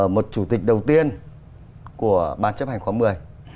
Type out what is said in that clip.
một chủ tịch đầu tiên của ban chấp hành khóa một mươi